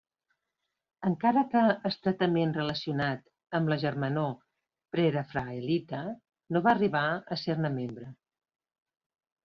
Encara que estretament relacionat amb la Germanor Prerafaelita, no va arribar a ser-ne membre.